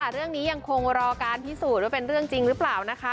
เรื่องนี้ยังคงรอการพิสูจน์ว่าเป็นเรื่องจริงหรือเปล่านะคะ